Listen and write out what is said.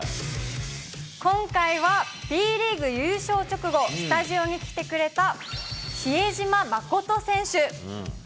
今回はＢリーグ優勝直後、スタジオに来てくれた比江島慎選手。